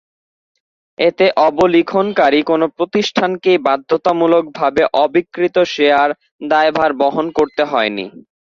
এতে অবলিখনকারী কোনো প্রতিষ্ঠানকেই বাধ্যতামূলকভাবে অবিক্রিত শেয়ার দায়ভার বহন করতে হয়নি।